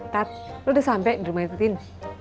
tat lu udah sampai di rumah itu tin